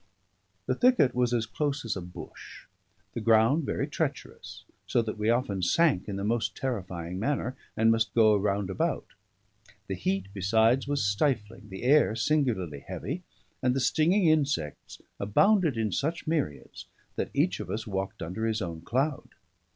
The thicket was as close as a bush; the ground very treacherous, so that we often sank in the most terrifying manner, and must go round about; the heat, besides, was stifling, the air singularly heavy, and the stinging insects abounded in such myriads that each of us walked under his own cloud.